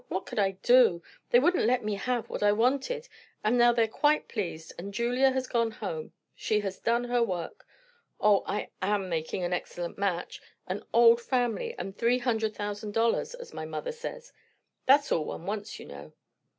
What could I do? They wouldn't let me have what I wanted; and now they're quite pleased, and Julia has gone home. She has done her work. O, I am making an excellent match. 'An old family, and three hundred thousand dollars,' as my mother says. That's all one wants, you know."